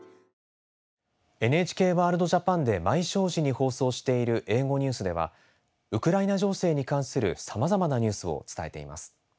「ＮＨＫＷＯＲＬＤＪＡＰＡＮ」で毎正時に放送している英語ニュースではウクライナ情勢に関するさまざまなニュースを伝えています。